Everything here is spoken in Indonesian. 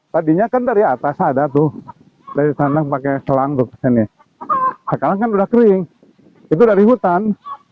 tadinya kan dari atas ada tuh dari sana pakai selang tuh sekarang kan udah kering itu dari hutan